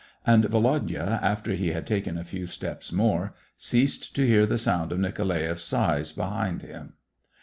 And Volodya, after he had taken a few steps more, ceased to hear the sound of Nikolaeff's sighs behind him.